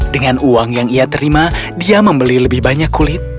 dengan uang yang ia terima dia membeli lebih banyak kulit